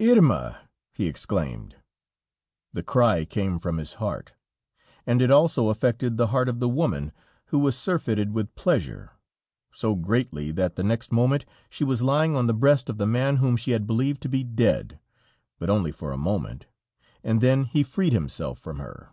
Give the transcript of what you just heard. "Irma!" he exclaimed. The cry came from his heart, and it also affected the heart of the woman, who was surfeited with pleasure, so greatly that the next moment she was lying on the breast of the man whom she had believed to be dead, but only for a moment, and then he freed himself from her.